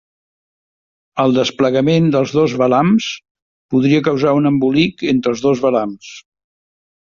El desplegament dels dos velams podria causar un embolic entre els dos velams.